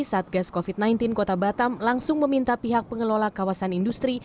satgas covid sembilan belas kota batam langsung meminta pihak pengelola kawasan industri